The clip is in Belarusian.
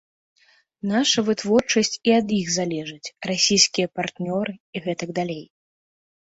Наша вытворчасць і ад іх залежыць, расійскія партнёры і гэтак далей.